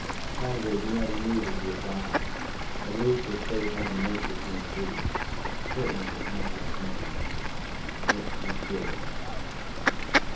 Probably he never knew that he had died. At least his fate had the mercy of being brief. Certainly it is not like mine. It was ... given